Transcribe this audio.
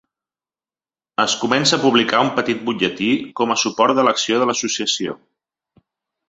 Es comença a publicar un petit butlletí com a suport a l'acció de l'Associació.